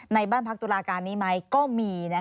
ในบ้านพรรคตุรการณ์นี้ไหมก็มี